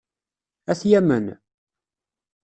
Ad t-yamen?